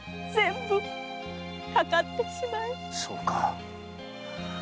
そうか。